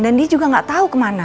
dan dia juga nggak tahu kemana